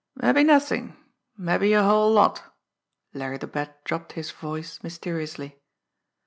"Mabbe nothin' mabbe a whole lot." Larry the Bat dropped his voice mysteriously.